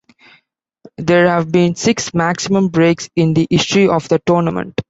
There have been six maximum breaks in the history of the tournament.